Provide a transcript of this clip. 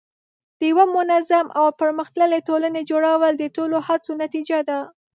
د یوه منظم او پرمختللي ټولنې جوړول د ټولو هڅو نتیجه ده.